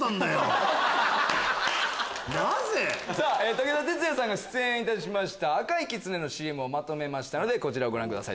なぜ⁉武田鉄矢さんが出演いたしました赤いきつねのＣＭをまとめましたのでご覧ください